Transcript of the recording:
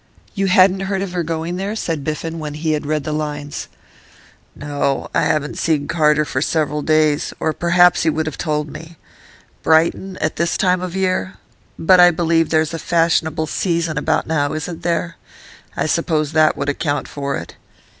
'You hadn't heard of her going there?' said Biffen, when he had read the lines. 'No. I haven't seen Carter for several days, or perhaps he would have told me. Brighton, at this time of year? But I believe there's a fashionable "season" about now, isn't there? I suppose that would account for it.